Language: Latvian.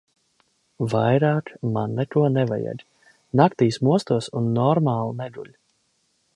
Vairāk man neko nevajag. Naktīs mostos un normāli neguļu.